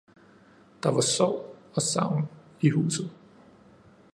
Der var sorg og savn i huset